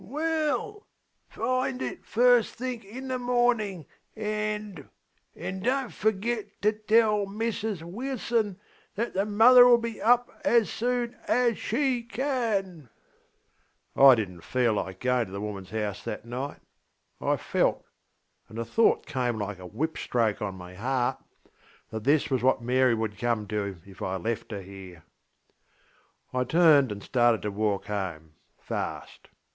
ŌĆÖ ŌĆśWell find it first think in the morning and. And donŌĆÖt forgit to tell Mrs WiŌĆÖson that motherŌĆÖll be up as soon as she can. ŌĆÖ I didnŌĆÖt feel like going to the womanŌĆÖs house that night. I feltŌĆöand the thought came like a whip stroke on my heartŌĆö that this was what Mary would come to if I left her here. I turned and started to walk home, fast.